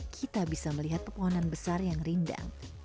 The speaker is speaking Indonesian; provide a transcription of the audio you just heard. kita bisa melihat pepohonan besar yang rindang